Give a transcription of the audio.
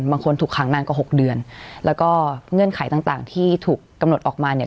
บางคนถูกขังนานกว่าหกเดือนแล้วก็เงื่อนไขต่างต่างที่ถูกกำหนดออกมาเนี่ย